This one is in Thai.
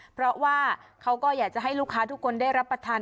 เพราะว่าเขาก็อยากจะให้ลูกค้าทุกคนได้รับประทาน